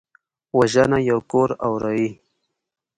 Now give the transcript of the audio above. وژنه یو کور اوروي